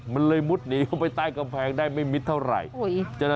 มันเลยมุดหนีเข้าไปใต้กำแพงได้ไม่มิดเท่าไหร่